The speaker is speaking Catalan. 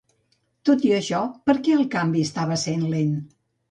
Tot i això, per què el canvi estava sent lent?